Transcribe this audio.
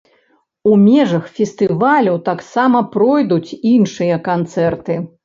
У межах фестывалю таксама пройдуць іншыя канцэрты.